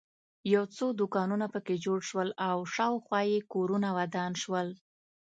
یو څو دوکانونه په کې جوړ شول او شاخوا یې کورونه ودان شول.